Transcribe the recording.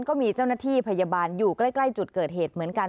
ก็มีเจ้าหน้าที่พยาบาลอยู่ใกล้จุดเกิดเหตุเหมือนกัน